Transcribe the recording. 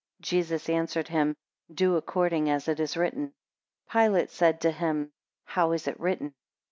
9 Jesus answered him, Do according as it is written. 10 Pilate said to him, How is it written?